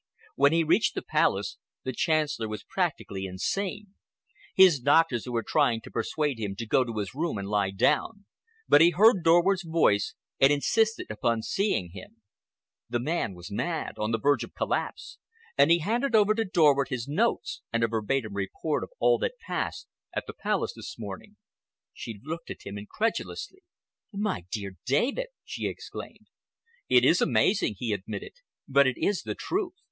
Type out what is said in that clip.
When he reached the Palace, the Chancellor was practically insane. His doctors were trying to persuade him to go to his room and lie down, but he heard Dorward's voice and insisted upon seeing him. The man was mad—on the verge of a collapse—and he handed over to Dorward his notes, and a verbatim report of all that passed at the Palace this morning." She looked at him incredulously. "My dear David!" she exclaimed. "It is amazing," he admitted, "but it is the truth.